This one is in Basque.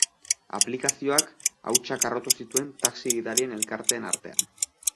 Aplikazioak hautsak harrotu zituen taxi-gidarien elkarteen artean.